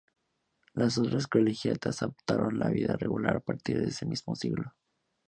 Las otras colegiatas adoptaron la vida regular a partir de ese mismo siglo.